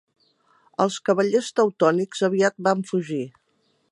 Els cavallers teutònics aviat van fugir.